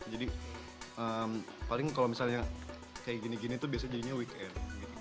paling kalau misalnya kayak gini gini tuh biasanya jadinya weekend